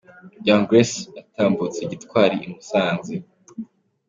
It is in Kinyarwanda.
Young Grace yatambutse gitwari i Musanze.